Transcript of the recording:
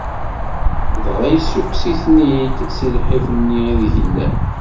Dɣa yessukkes-iten-id si lḥif-nni ideg llan.